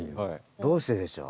どうしてでしょう？